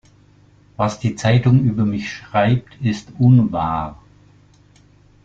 Was die Zeitung über mich schreibt, ist unwahr.